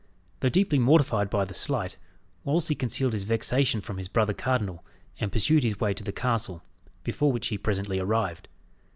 Though deeply mortified by the slight, Wolsey concealed his vexation from his brother cardinal, and pursued his way to the castle, before which he presently arrived.